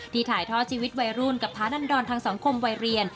ถ่ายทอดชีวิตวัยรุ่นกับท้านันดรทางสังคมวัยเรียน